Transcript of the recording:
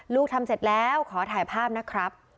ลูกทำเสร็จแล้วขอถ่ายภาพนะครับ